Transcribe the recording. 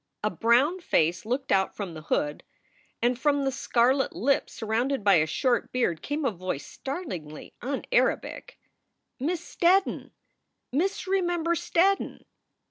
A brown face looked out from the hood, and from the scar let lips surrounded by a short beard came a voice startlingly un Arabic. "Miss Steddon! Miss Remember Steddon!"